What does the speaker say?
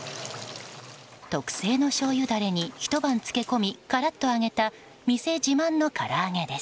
特製のしょうゆダレにひと晩漬け込みカラッと揚げた店自慢のから揚げです。